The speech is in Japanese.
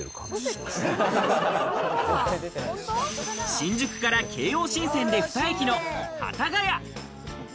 新宿から京王新線で２駅の幡ヶ谷。